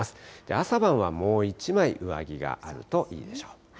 朝晩はもう１枚、上着があるといいでしょう。